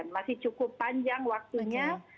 masih cukup panjang waktunya